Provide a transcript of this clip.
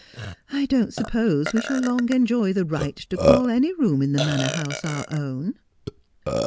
I don't suppose we shall long enjoy the right to call any room in the Manor House our own.'